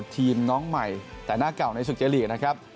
ทีมน้องใหม่แต่หน้าเก่าในสุเจลีกนะครับ